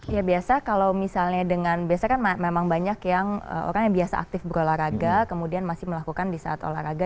ya biasa kalau misalnya dengan biasanya kan memang banyak yang orang yang biasa aktif berolahraga kemudian masih melakukan di saat olahraga